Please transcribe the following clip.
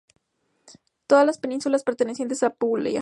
Toda la península pertenece a Apulia.